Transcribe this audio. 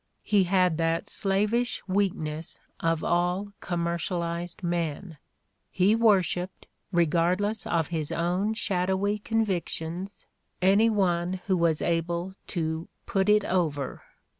He had that slavish weakness of all commercialized men: he worshiped, regardless of his own shadowy convictions, any one who was able to "put it over."